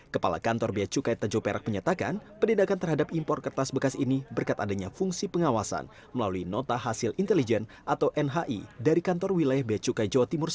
kepala kantor beacukai tanjung perak menyatakan penindakan terhadap impor kertas bekas ini berkat adanya fungsi pengawasan melalui nota hasil intelijen atau nhi dari kantor wilayah beacukai jawa timur